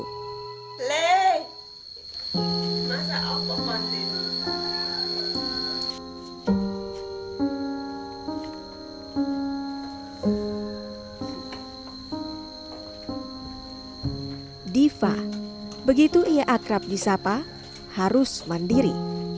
diva begitu ia akrab di sapa harus mandiri